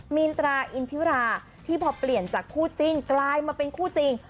มีนตราอินทิราที่พอเปลี่ยนจากคู่จิ้นกลายมาเป็นคู่จริง